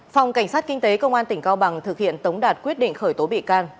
phòng cảnh sát kinh tế công an tỉnh cao bằng thực hiện tống đạt quyết định khởi tố bị can